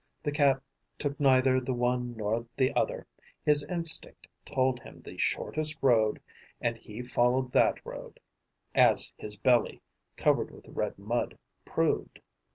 The Cat took neither the one nor the other: his instinct told him the shortest road and he followed that road, as his belly, covered with red mud, proved.